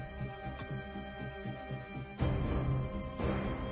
あっ。